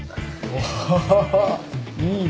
おおいいね。